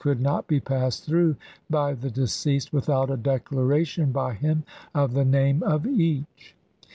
could not be passed through by the deceased without a declaration by him of the name of each.